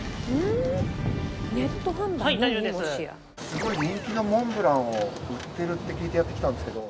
すごい人気のモンブランを売ってるって聞いてやって来たんですけど。